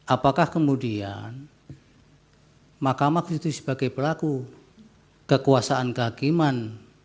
apakah kemudian mahkamah konstitusi sebagai pelaku kekuasaan kehakiman